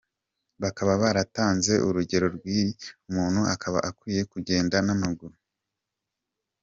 Bakaba baratanze urugero rw’igihe umuntu aba akwiye kugenda n’amaguru :.